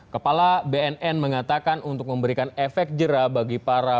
kepala bnn mengatakan untuk memberikan efek jerah bagi para